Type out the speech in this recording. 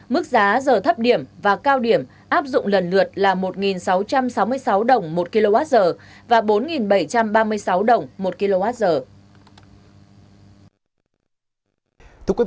mức giá giờ thấp điểm và cao điểm áp dụng lần lượt là một sáu trăm sáu mươi sáu đồng một kwh và bốn bảy trăm ba mươi sáu đồng một kwh